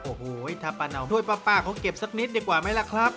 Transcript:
โอ้โหถ้าป้าเนาด้วยป้าเขาเก็บสักนิดดีกว่าไหมล่ะครับ